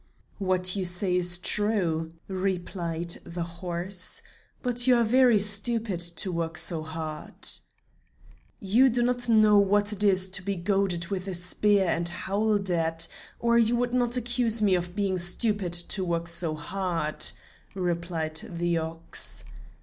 "What you say is true," replied the horse, "but you are very stupid to work so hard." "You do not know what it is to be goaded with a spear and howled at, or you would not accuse me of being stupid to work so hard," replied the ox.